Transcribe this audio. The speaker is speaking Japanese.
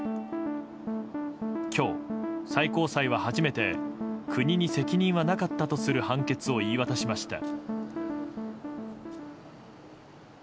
今日、最高裁は初めて国に責任はなかったという判決を言い渡しました。